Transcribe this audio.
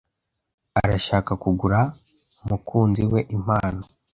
Arashaka kugura umukunzi we impano.